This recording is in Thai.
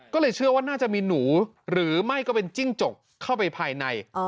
ก็เลยเชื่อว่าน่าจะมีหนูหรือไม่ก็เป็นจิ้งจกเข้าไปภายใน